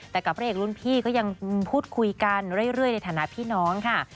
แต่กับพระเอกรุ่นพี่ก็ยังพูดคุยกันเรื่อยในฐานะพี่น้องค่ะ